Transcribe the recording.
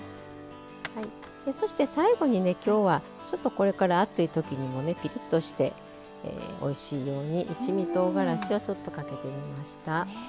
そして最後にね今日はちょっとこれから暑いときにもねピリッとしておいしいように一味とうがらしをちょっとかけてみました。